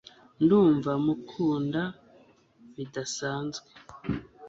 ndumva mukunda bidasanzwe